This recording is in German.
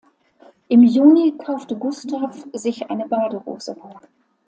Im Juni kaufte Gustav sich eine Badehose.